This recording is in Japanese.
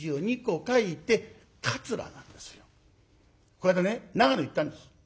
この間ね長野行ったんです。